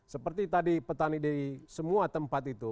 seperti tadi petani di semua tempat itu